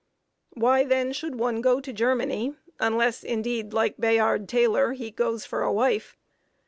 Why, then, should one go to Germany, unless, indeed, like Bayard Taylor, he goes for a wife?